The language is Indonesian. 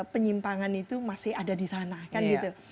penyimpangan itu masih ada di sana kan gitu